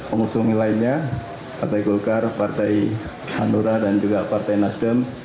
omosomi lainnya partai gokar partai andorra dan juga partai nasdem